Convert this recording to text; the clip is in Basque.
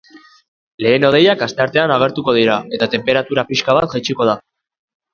Lehen hodeiak asteartean agertuko dira eta tenperatura pixka bat jaitsiko da.